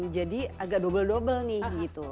jadi agak dobel dobel nih gitu